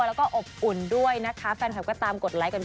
แล้วก็อบอุ่นด้วยนะคะ